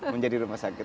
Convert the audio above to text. menjadi rumah sakit